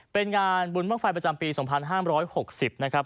เป็นงานบุญบ้างไฟประจำปี๒๕๖๐นะครับ